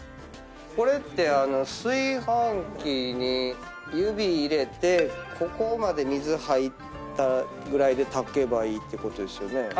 これって炊飯器に指入れてここまで水入ったぐらいで炊けばいいってことですよね？